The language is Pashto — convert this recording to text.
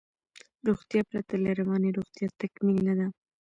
روغتیا پرته له روانی روغتیا تکمیل نده